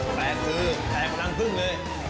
แปลกคือแปลกพลังพึ่งเลย